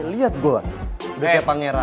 lihat goa udah kayak pangeran